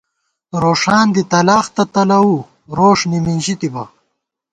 روݭان دی تلاخ تہ تلَوُو روݭ تہ نِمِنژی تِبہ